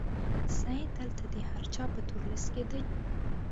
سید دلته د هر چا په تور لیست کې دی.